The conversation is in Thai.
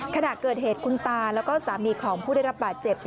ขณะเกิดเหตุคุณตาแล้วก็สามีของผู้ได้รับบาดเจ็บ